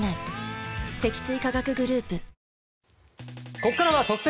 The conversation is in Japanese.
ここからは特選！！